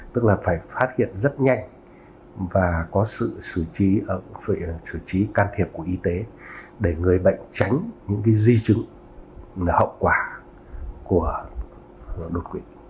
tức là phải phát hiện rất nhanh và có sự sử trí can thiệp của y tế để người bệnh tránh những di chứng hậu quả của đột quỵ